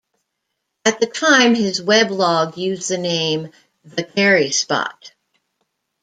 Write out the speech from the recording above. At the time his weblog used the name "The Kerry Spot".